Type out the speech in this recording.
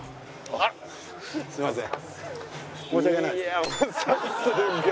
大将すいません。